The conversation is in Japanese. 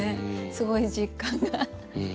すごい実感が。